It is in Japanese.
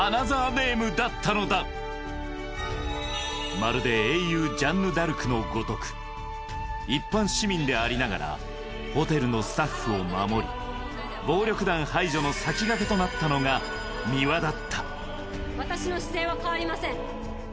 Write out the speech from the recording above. まるで英雄ジャンヌ・ダルクのごとく一般市民でありながらホテルのスタッフを守り暴力団排除の先駆けとなったのが三輪だった私の姿勢は変わりません。